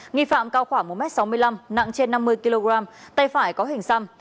nghi phạm cao khoảng một m sáu mươi năm nặng trên năm mươi kg tay phải có hình xăm